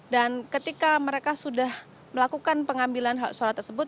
dan ketika mereka sudah melakukan pengambilan hak suara tersebut